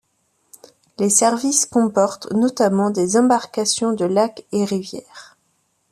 Les services comportent notamment des embarcations de lacs et rivières.